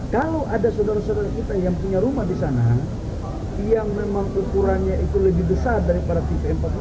kalau ada saudara saudara kita yang punya rumah di sana yang memang ukurannya itu lebih besar daripada tipe empat puluh